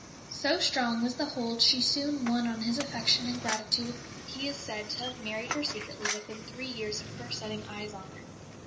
So strong was the hold she soon won on his affection and gratitude that he is said to have married her secretly within three years of first setting eyes on her.